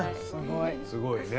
すごいね。